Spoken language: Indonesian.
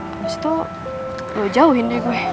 habis itu lo jauhin deh gue